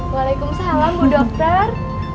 waalaikumsalam bu dokter